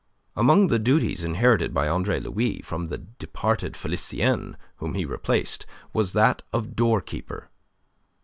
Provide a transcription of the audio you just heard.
Among the duties inherited by Andre Louis from the departed Felicien whom he replaced, was that of doorkeeper.